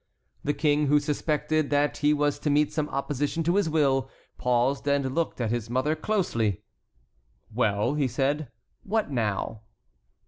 The King, who suspected that he was to meet some opposition to his will, paused and looked at his mother closely. "Well," he said, "what now?"